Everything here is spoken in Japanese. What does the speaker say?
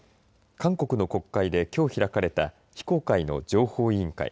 韓国の国会で、きょう開かれた非公開の情報委員会。